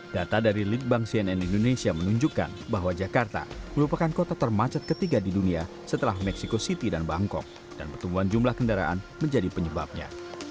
data dari litbang cnn indonesia menunjukkan bahwa jakarta merupakan kota termacet ketiga di dunia setelah mexico city dan bangkok dan pertumbuhan jumlah kendaraan menjadi penyebabnya